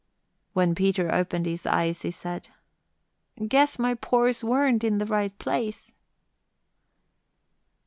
When Peter opened his eyes he said, "Guess my pores weren't in the right place."